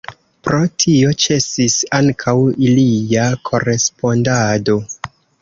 Pro tio ĉesis ankaŭ ilia korespondado.